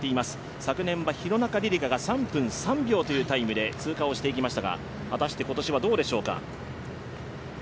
昨年は廣中璃梨佳が３分３秒というタイムで通過をしていきましたが、果たして今年はどうでしょうか？